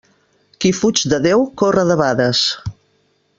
Qui fuig de Déu corre debades.